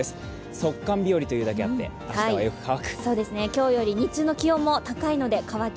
速乾日和というだけあって明日はよく乾く。